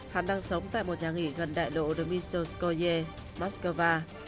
hắn đang sống tại một nhà nghỉ gần đại lộ dmytsovskoye moscow